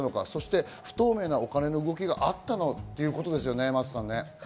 そして不透明なお金の動きがあったのかということですよね。